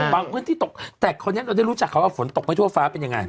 บางพื้นที่ตกแต่คนนี้เราได้รู้จักเขาว่าฝนตกไปทั่วฟ้าเป็นยังไง